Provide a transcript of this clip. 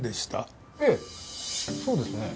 ええそうですね。